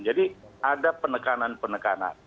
jadi ada penekanan penekanan